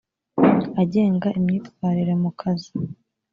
agenga imyitwarire mu kazi